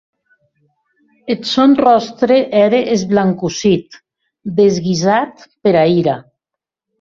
Eth sòn ròstre ère esblancossit, desguisat pera ira.